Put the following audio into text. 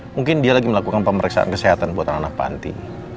mungkin dia lagi melakukan pemeriksaan kesehatan buat anak anak panti